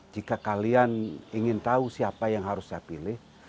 jika kalian ingin tahu siapa yang harus saya pilih